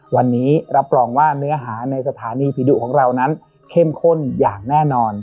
วันนี้รับรองว่าเนื้อหาในสถานีผีดุของเรานั้นเข้มข้นอย่างแน่นอน